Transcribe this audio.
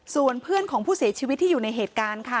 ส่วนเพื่อนของผู้เสียชีวิตที่อยู่ในเหตุการณ์ค่ะ